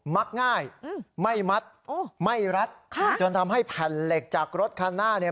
มักง่ายไม่มัดไม่รัดค่ะจนทำให้แผ่นเหล็กจากรถคันหน้าเนี่ย